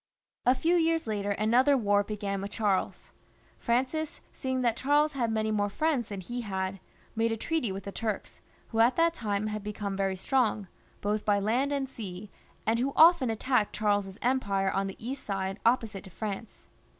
A few years later another war began with Charles. Francis, seeing that Charles had many more friends than he had, made a treaty with the Turks, who at that time had become very strong, both by land and sea, and who often attacked Charles's empire on the east side opposite to France.